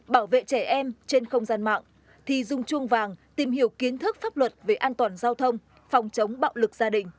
bảo vệ trẻ em trên không gian mạng thi dung chuông vàng tìm hiểu kiến thức pháp luật về an toàn giao thông